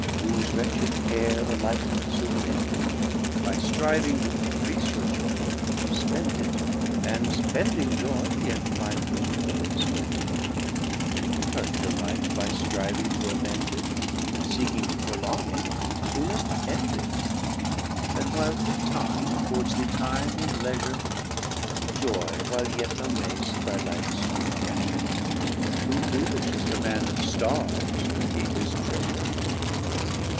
whofe wretched care the lifejoone endings By ftriving to increafe your joy ^ dofpend it ; Digitized by Google 278 BRITTJIN'S IDA. And/pendingjoyj yet find no joy in spending; Tou hurt your life byftriving to amend it, Andjeeking to prolong ityjooneft end it : Then, while fit time affords thee time and leajure. Enjoy while yet thou may ft thy lifes fweet pleqfure : Toofoolijh is the man that ftarves to feed his treqfure.